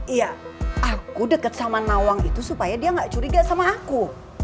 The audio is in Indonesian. iya aku dekat sama nawang itu supaya dia gak curiga sama aku